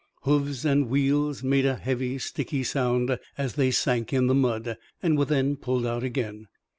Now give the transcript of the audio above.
Hoofs and wheels made a heavy, sticky sound as they sank in the mud, and were then pulled out again.